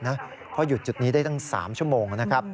เพราะหยุดจุดนี้ได้ตั้ง๓ชั่วโมงนะครับ